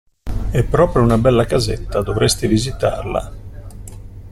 È proprio una bella casetta, dovresti visitarla.